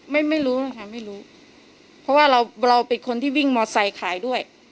ไม่รู้นะคะไม่รู้เพราะว่าเราเราเป็นคนที่วิ่งมอไซค์ขายด้วย